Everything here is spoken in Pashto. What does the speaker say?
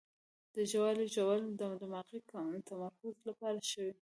د ژاولې ژوول د دماغي تمرکز لپاره ښه وي.